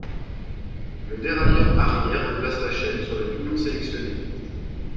Le dérailleur arrière déplace la chaîne sur le pignon sélectionné.